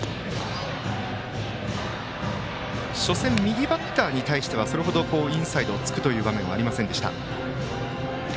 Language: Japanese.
初戦右バッターに対してはそれほどインサイドを突く場面はありませんでした。